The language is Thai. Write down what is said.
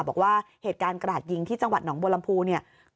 บอกว่าเหตุการณ์กระดาษยิงที่จังหวัดหนองบัวลำพูเนี่ย